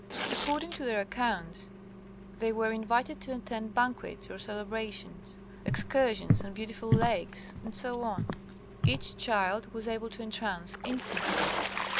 According to their accounts, they were invited to attend banquets or celebrations, excursions on beautiful lakes, etc. Each child was able to entrance instantly.